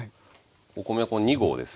お米これ２合です。